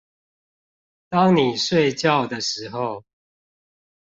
當你睡覺的時候